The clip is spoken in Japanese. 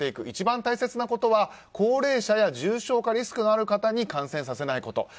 一番大切なことは高齢者や重症化リスクのある方に感染させないこと。